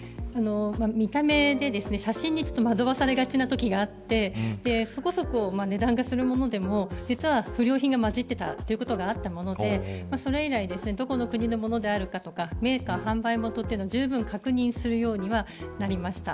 見た目で、写真に惑わされがちなときがあってそこそこ値段がするものでも実は不良品がまじっていたということがあったものでそれ以来どこの国のものであるかとかメーカー、販売元じゅうぶん確認するようにはなりました。